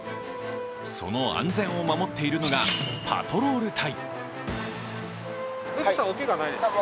その安全を守っているのがパトロール隊。